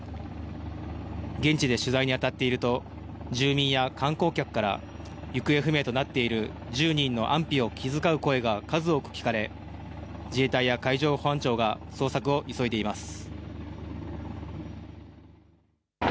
現地で取材に当たっていると、住民や観光客から、行方不明となっている１０人の安否を気遣う声が数多く聞かれ、自衛隊や海上保安庁が捜索を急いでいます。